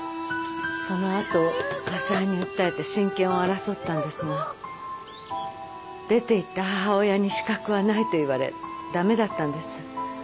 その後家裁に訴えて親権を争ったんですが「出ていった母親に資格はない」と言われ駄目だったんです。